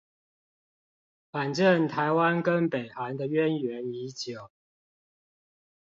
反正台灣跟北韓的淵源已久